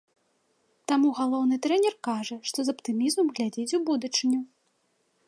Таму галоўны трэнер кажа, што з аптымізмам глядзіць у будучыню.